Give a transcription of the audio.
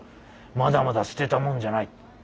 まだまだ捨てたもんじゃない」。